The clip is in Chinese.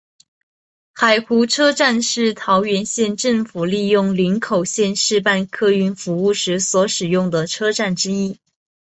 海湖车站是桃园县政府利用林口线试办客运服务时所使用的车站之一。